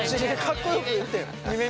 かっこよく言ってよ。